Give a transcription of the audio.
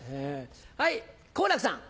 はい好楽さん。